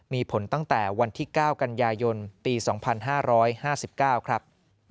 มีผลตั้งแต่วันที่๙กันยายนปี๒๕๕๙ครับ